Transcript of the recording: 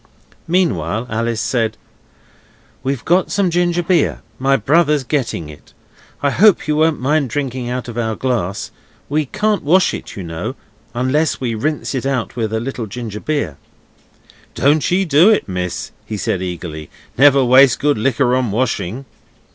Meanwhile Alice said 'We've got some ginger beer; my brother's getting it. I hope you won't mind drinking out of our glass. We can't wash it, you know unless we rinse it out with a little ginger beer.' 'Don't ye do it, miss,' he said eagerly; 'never waste good liquor on washing.